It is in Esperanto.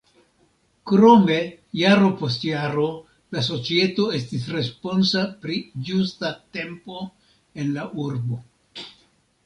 Krome jaro post jaro la societo estis responsa pri ĝusta tempo en la urbo.